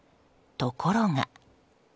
ところが。